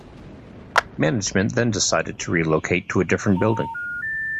Management then decided to relocate to a different building.